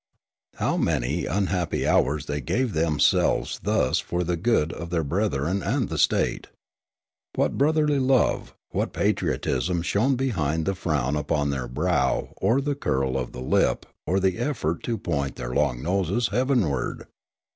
How many unhappy hours they gave themselves thus for the good of their brethren and the state ! What brotherly love, what patriotism shone behind the frown upon their brow or the curl of the lip or the effort to point their long noses heavenward